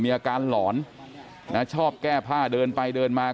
อาการหลอนนะชอบแก้ผ้าเดินไปเดินมา